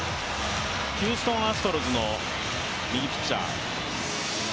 ヒューストン・アストロズの右ピッチャー。